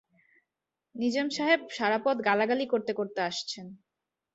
নিজাম সাহেব সারা পথ গালাগালি করতে-করতে আসছেন।